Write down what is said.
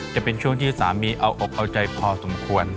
จะเป็นช่วงที่สามีเอาอกเอาใจพอสมควร